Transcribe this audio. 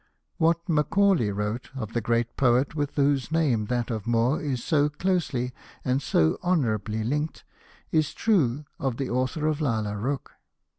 What Macaulay wrote of the great poet with whose name that of Moore is so closely and so honourably linked, is true of the author of " Lalla Rookh."